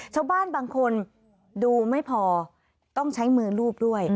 ชาวบ้านบางคนดูไม่พอต้องใช้มือรูปด้วย